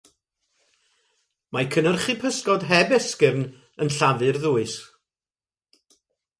Mae cynhyrchu pysgod heb esgyrn yn llafurddwys.